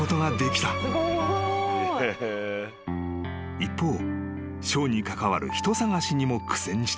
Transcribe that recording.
［一方ショーに関わる人探しにも苦戦していた］